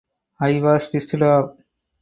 I was pissed off.